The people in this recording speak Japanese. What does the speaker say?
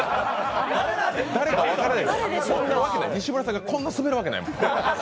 誰か分からない、西村さんがこんなスベるわけないもん。